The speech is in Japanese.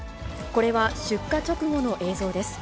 これは出火直後の映像です。